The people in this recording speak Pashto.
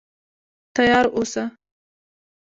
تیار اوسه.